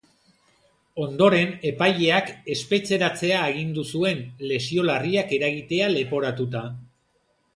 Ondoren, epaileak espetxeratzea agindu zuen, lesio larriak eragitea leporatuta.